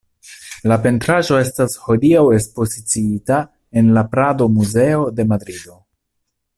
La pentraĵo estas hodiaŭ ekspoziciita en la Prado-Muzeo de Madrido.